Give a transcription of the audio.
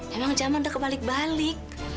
emang zaman udah kebalik balik